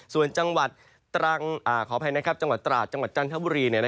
ส่วนจังหวัดตรังขออภัยนะครับจังหวัดตราดจังหวัดจันทบุรี